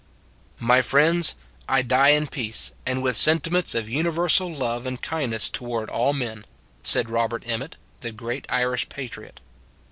" My friends, I die in peace, and with sentiments of universal love and kindness toward all men," said Robert Emmet, the great Irish patriot.